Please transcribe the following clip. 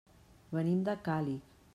Venim de Càlig.